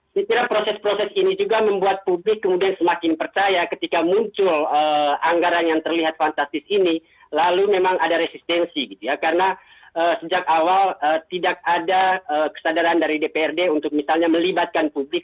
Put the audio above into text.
saya kira proses proses ini juga membuat publik kemudian semakin percaya ketika muncul anggaran yang terlihat fantastis ini lalu memang ada resistensi gitu ya karena sejak awal tidak ada kesadaran dari dprd untuk misalnya melibatkan publik